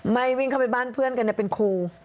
วิ่งเข้าไปบ้านเพื่อนกันเป็นครู